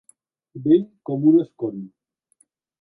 Vell com un escon.